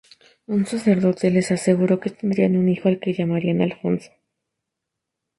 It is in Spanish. Un sacerdote les aseguró que tendrían un hijo al que llamarían Alfonso.